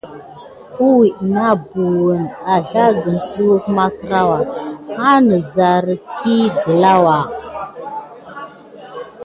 Iwid na buhən azlagən suwek makkrawa ha nəsserik kiné aglawa.